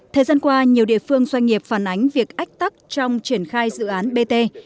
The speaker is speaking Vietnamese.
thời gian qua nhiều địa phương doanh nghiệp phản ánh việc ách tắc trong triển khai dự án bt